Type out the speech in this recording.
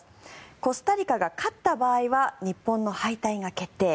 コスタリカが勝った場合は日本の敗退が決定。